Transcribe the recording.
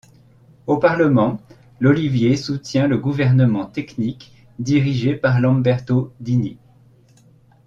Au Parlement, L'Olivier soutient le gouvernement technique dirigé par Lamberto Dini.